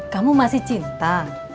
kamu masih cinta